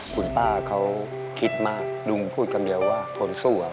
คุณป้าเขาคิดมากลุงพูดคำเดียวว่าทนสู้อะ